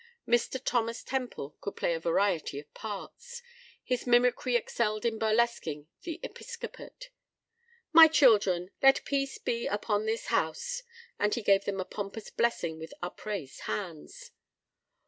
Mr. Thomas Temple could play a variety of parts. His mimicry excelled in burlesquing the episcopate. "My children, let peace be upon this house." And he gave them a pompous blessing with upraised hands.